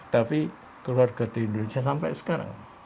tapi keluarga di indonesia sampai sekarang